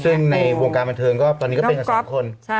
ซึ่งในวงการบันเทิงก็ตอนนี้ก็เป็นกันสองคน